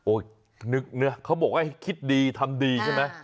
โอ๊ยนึกเนี่ยเขาบอกว่าคิดดีทำดีใช่ไหม